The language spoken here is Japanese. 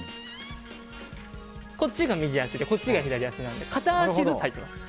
こっちが右足でこっちが左足で片足ずつ入っています。